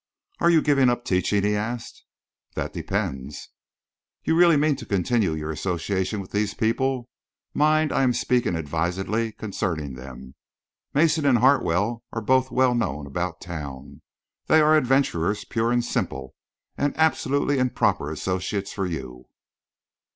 "Are you giving up teaching?" he asked. "That depends." "You really mean to continue your association with these people? Mind, I am speaking advisedly concerning them. Mason and Hartwell are both well known about town. They are adventurers pure and simple and absolutely improper associates for you."